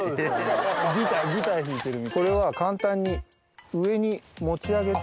これは簡単に上に持ち上げてもらえれば。